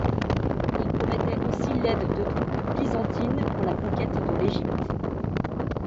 Il promettait aussi l'aide de troupes byzantines pour la conquête de l'Égypte.